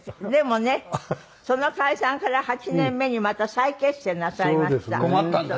でもねその解散から８年目にまた再結成なさいました。